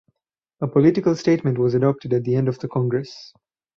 A political statement was adopted at the end of the congress.